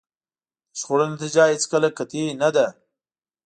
د شخړو نتیجه هېڅکله قطعي نه ده.